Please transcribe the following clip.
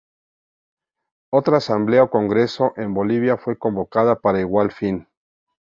Otra asamblea o congreso en Bolivia fue convocada para igual fin.